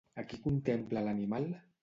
A qui contempla l'animal?